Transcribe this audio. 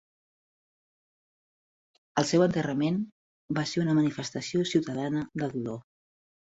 El seu enterrament va ser una manifestació ciutadana de dolor.